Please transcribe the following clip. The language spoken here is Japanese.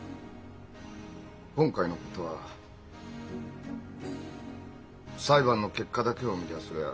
今回のことは裁判の結果だけを見りゃ